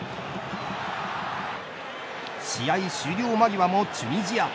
試合終了間際もチュニジア。